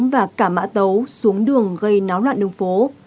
và cả mã tấu xuống đường gây náo loạn đường phố